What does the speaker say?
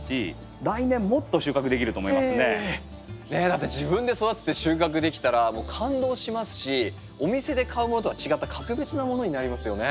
だって自分で育てて収穫できたらもう感動しますしお店で買うものとは違った格別なものになりますよね。